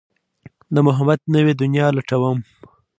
د محبت نوې دنيا لټوم